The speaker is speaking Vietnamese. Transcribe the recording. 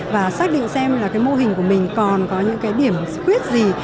và xác định xem là cái mô hình của mình còn có những cái điểm quyết gì